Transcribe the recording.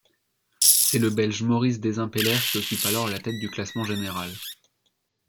C'est le Belge Maurice Desimpelaere qui occupait alors la tête du classement général.